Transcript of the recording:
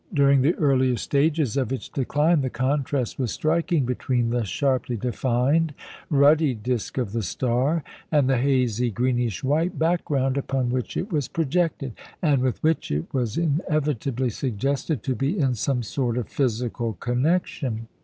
During the earlier stages of its decline, the contrast was striking between the sharply defined, ruddy disc of the star, and the hazy, greenish white background upon which it was projected, and with which it was inevitably suggested to be in some sort of physical connection.